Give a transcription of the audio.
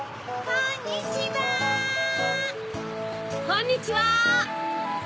こんにちは！